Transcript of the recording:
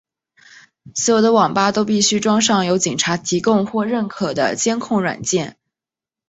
所有的网吧都必须装上由警察提供或认可的监控软件。